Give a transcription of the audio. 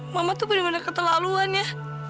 mama tuh bener bener keterlaluan ya